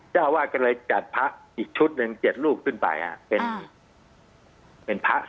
เจ้าวาดก็เลยจัดพระอีกชุดหนึ่งเจ็ดลูกขึ้นไปค่ะเป็นเป็นพระสอง